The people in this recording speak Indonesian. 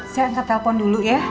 saya angkat telpon dulu ya